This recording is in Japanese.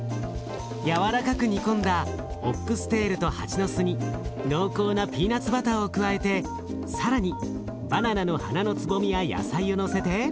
軟らかく煮込んだオックステールとハチノスに濃厚なピーナツバターを加えて更にバナナの花のつぼみや野菜をのせて。